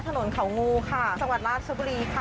ถนนเขางูค่ะสวรรค์ราชบุรีค่ะ